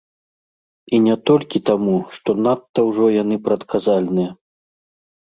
І не толькі таму, што надта ўжо яны прадказальныя.